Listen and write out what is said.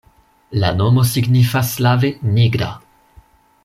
La nomo signifas slave nigra.